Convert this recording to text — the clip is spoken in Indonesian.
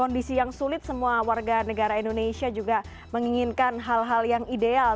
kondisi yang sulit semua warga negara indonesia juga menginginkan hal hal yang ideal